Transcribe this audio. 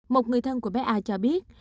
một người thân của bé a cho biết